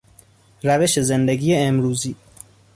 روش زندگی امروزی